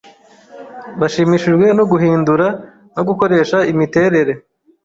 bashimishijwe no guhindura no gukoresha imiterere